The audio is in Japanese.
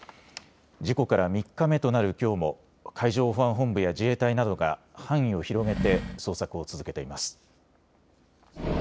事故から３日目となるきょうも海上保安本部や自衛隊などが範囲を広げて捜索を続けています。